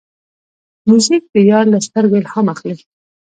موزیک د یار له سترګو الهام اخلي.